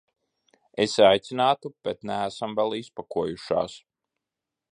Es aicinātu, bet neesam vēl izpakojušās.